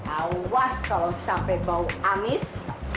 awas kalau sampai bau amis